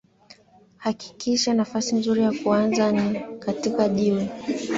Hakika nafasi nzuri ya kuanza ni katika jiwe